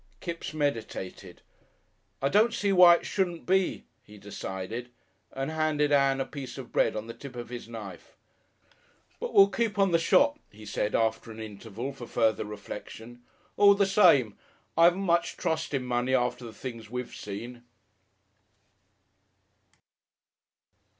Kipps meditated. "I don't see why it shouldn't be," he decided, and handed Ann a piece of bread on the tip of his knife. "But we'll keep on the shop," he said after an interval for further reflection, "all the same.... I 'aven't much trust in money after the things we've seen."